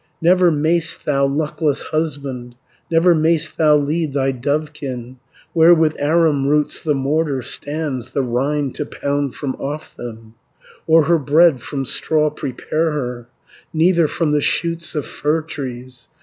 "Never may'st thou, luckless husband, Never may'st thou lead thy dovekin, Where with arum roots the mortar, Stands, the rind to pound from off them, 120 Or her bread from straw prepare her, Neither from the shoots of fir trees.